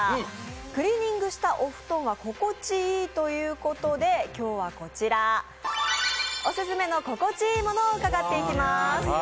クリーニングしたお布団は心地いいということで、今日はオススメの心地いいものを伺っていきます。